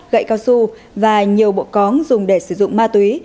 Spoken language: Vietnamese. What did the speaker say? gậy cao su và nhiều bộ có dùng để sử dụng ma túy